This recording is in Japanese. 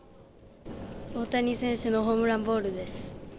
大谷選手のホームランボールです。